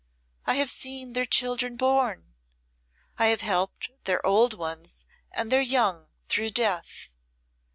I have seen their children born. I have helped their old ones and their young through death.